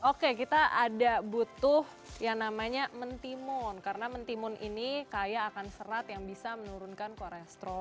oke kita ada butuh yang namanya mentimun karena mentimun ini kaya akan serat yang bisa menurunkan kolesterol